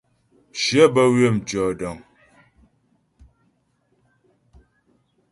Shyə bə́ ywə̌ tʉ̂ɔdəŋ.